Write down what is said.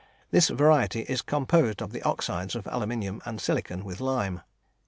This variety is composed of the oxides of aluminium and silicon with lime.